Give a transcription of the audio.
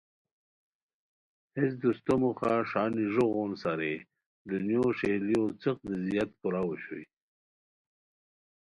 ہیس دوستو موخہ ݰا نیزو غون سارئے دنیو ݰئیلو څیق دی زیاد کوراؤ اوشوئے